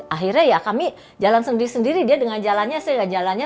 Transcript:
akhirnya ya kami jalan sendiri sendiri dia dengan jalannya sehingga jalannya